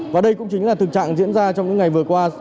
và đây cũng chính là thực trạng diễn ra trong những ngày vừa qua